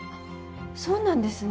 そうなんですね。